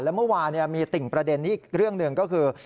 แล้วเมื่อวานมีติ่งประเด็นนี้อีกเรื่องหนึ่งก็คือ